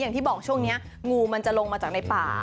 อย่างที่บอกช่วงนี้งูมันจะลงมาจากในป่า